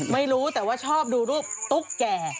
ไม่รู้แต่ว่าชอบดูรูปตุ๊กแก่